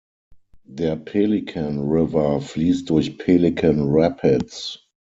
Der Pelican River fließt durch Pelican Rapids.